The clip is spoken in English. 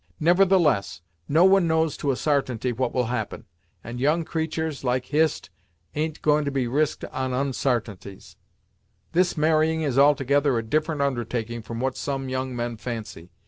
Nevertheless, no one knows to a sartainty what will happen, and young creatur's, like Hist, a'n't to be risked on onsartainties. This marrying is altogether a different undertaking from what some young men fancy.